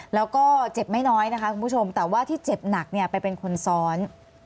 แล้วก็เจ็บไม่น้อยนะคะคุณผู้ชมแต่ว่าที่เจ็บหนักเนี่ยไปเป็นคนซ้อน